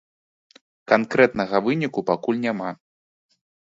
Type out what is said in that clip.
Канкрэтнага выніку пакуль няма.